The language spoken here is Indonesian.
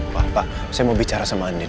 pak saya mau bicara sama andin